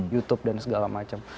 youtube dan segala macem